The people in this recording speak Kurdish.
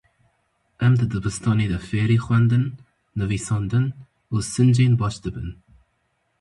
Em di dibistanê de fêrî xwendin, nivîsandin û sincên baş dibin.